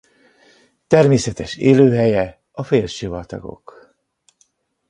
Természetes élőhelye a félsivatagok.